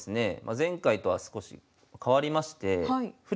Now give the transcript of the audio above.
前回とは少し変わりまして振り